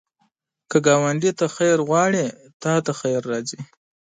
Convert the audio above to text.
که ګاونډي ته خیر غواړې، تا ته خیر راځي